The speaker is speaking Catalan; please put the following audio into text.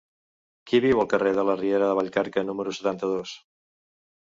Qui viu al carrer de la Riera de Vallcarca número setanta-dos?